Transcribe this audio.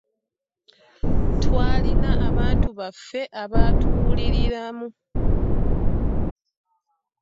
Twalina abantu baffe abatuwuliriramu.